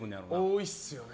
多いっすよね。